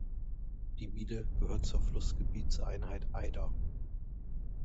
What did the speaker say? Die Miele gehört zur Flussgebietseinheit Eider.